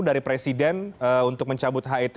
dari presiden untuk mencabut het